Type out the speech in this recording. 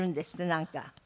なんか。